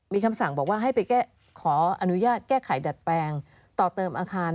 มีคำสั่งบอกว่าให้ไปขออนุญาตแก้ไขดัดแปลงต่อเติมอาคาร